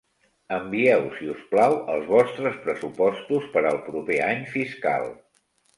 Envieu si us plau els vostres pressupostos per al proper any fiscal.